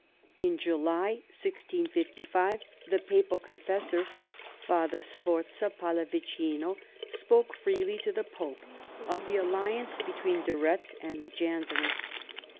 In July 1655 the papal confessor, Father Sforza Palavicino, spoke freely to the Pope of the alliance between de Retz and the Jansenists.